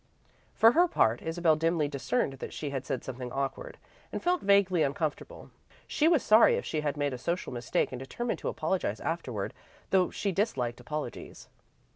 For her part, Isabel dimly discerned that she had said something awkward, and felt vaguely uncomfortable. She was sorry if she had made a social mistake and determined to apologise afterward, though she disliked apologies.